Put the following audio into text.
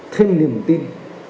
thêm niềm tin